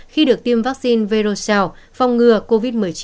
khi được tiêm vaccine veroshout phòng ngừa covid một mươi chín